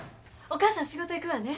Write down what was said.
お母さん仕事行くわね。